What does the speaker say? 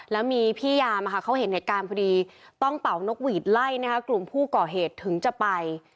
แล้วมีพี่ยามเขาเห็นเหตุการณ์พอดีต้องเป่านกหวีดไล่นะคะกลุ่มผู้ก่อเหตุถึงจะไป